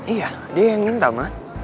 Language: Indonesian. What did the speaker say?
iya dia yang minta maaf